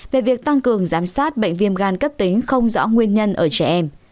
về việc tăng cường giám sát bệnh viêm gan cấp tính không rõ nguyên nhân ở trẻ em